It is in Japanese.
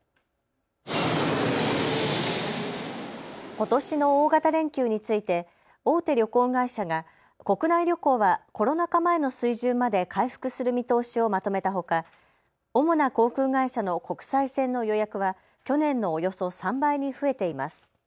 ことしの大型連休について大手旅行会社が国内旅行はコロナ禍前の水準まで回復する見通しをまとめたほか主な航空会社の国際線の予約は去年のおよそ３倍に増えています。